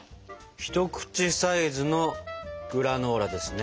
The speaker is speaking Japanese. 一口サイズのグラノーラですね。